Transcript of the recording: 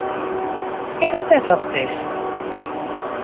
Ik wit net wat it is.